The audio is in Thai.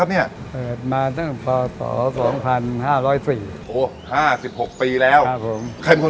ขายมาก่อนในนี้เหรอ